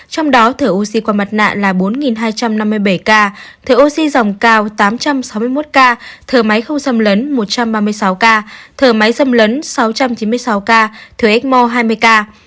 trong đó thở oxy qua mặt nạ là bốn hai trăm năm mươi bảy ca thở oxy dòng cao tám trăm sáu mươi một ca thở máy không xâm lấn một trăm ba mươi sáu ca thở máy xâm lấn sáu trăm chín mươi sáu ca thừa ecmo hai mươi ca